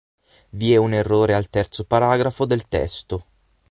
Vi è un errore al terzo paragrafo del testo.